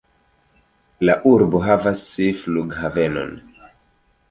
La urbo havas flughavenon.